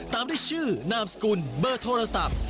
ตามด้วยชื่อนามสกุลเบอร์โทรศัพท์